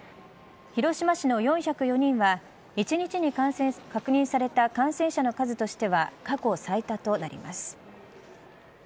広島市の４０４人は１日に確認された感染者の数としては過去最多となります。